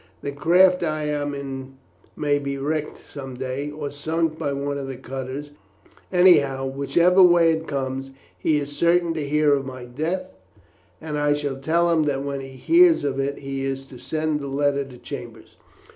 The craft I am in may be wrecked some day, or sunk by one of the cutters; anyhow, whichever way it comes, he is certain to hear of my death, and I shall tell him that when he hears of it he is to send that letter to Chambers."